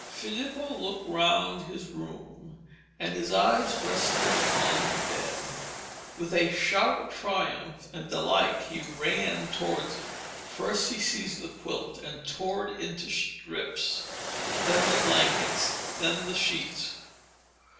Filippo looked round his room, and his eye rested on the bed. With a shout of triumphant delight he ran towards it. First he seized the quilt and tore it into strips, then the blankets, then the sheets.